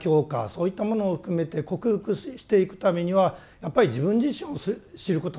そういったものを含めて克服していくためにはやっぱり自分自身を知ることが大切だ。